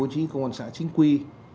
công an xã chính quy